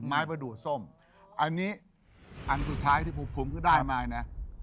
ไม้ประดูกส้มอันนี้อันสุดท้ายที่ผมคุ้มก็ได้มาเนี่ย